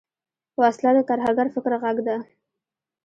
وسله د ترهګر فکر غږ ده